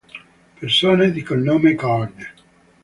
Persone di cognome Gardner